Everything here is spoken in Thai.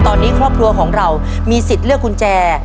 ตอนนี้ครอบครัวของเรามีสิทธิ์เลือกกุญแจ